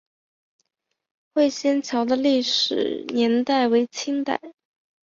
会仙桥的历史年代为清代。